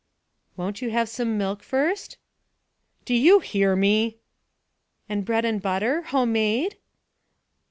"Won't you have some milk first?" "Do you hear me?" "And bread and butter, home made?"